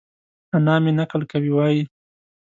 انا مې؛ نکل کوي وايي؛